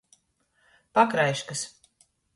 Pakraiškys.